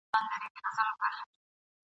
هدیره مي د بابا ده پکښي جوړه !.